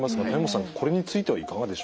これについてはいかがでしょうか。